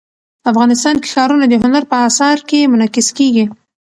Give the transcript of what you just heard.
افغانستان کې ښارونه د هنر په اثار کې منعکس کېږي.